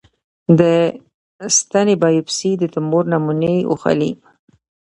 د ستنې بایوپسي د تومور نمونې اخلي.